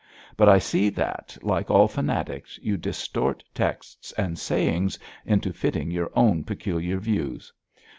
But I see that, like all fanatics, you distort texts and sayings into fitting your own peculiar views.